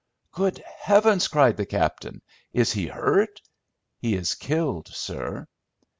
"Good heavens!" cried the captain. "Is he hurt?" "He is killed, sir."